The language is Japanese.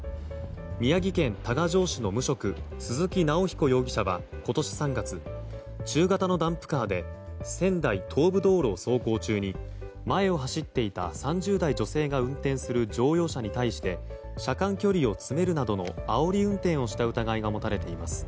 宮城県多賀城市の無職鈴木尚彦容疑者は今年３月、中型のダンプカーで仙台東部道路を走行中に前を走っていた３０代女性が運転する乗用車に対して車間距離を詰めるなどのあおり運転をした疑いが持たれています。